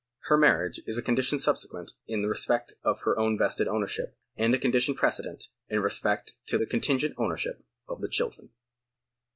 Her marriage is a condition subsequent in respect of her own vested ownership, and a condition prece dent in respect of the contingent ownership of the children.